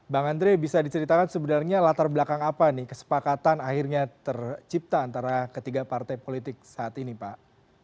bang andre bisa diceritakan sebenarnya latar belakang apa nih kesepakatan akhirnya tercipta antara ketiga partai politik saat ini pak